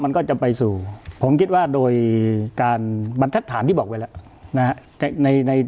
มันก็จะไปสู่ผมคิดว่าโดยการบทธีฐานที่บอกไว้แล้ว